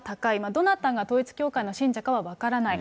どなたが統一教会の信者かは分からない。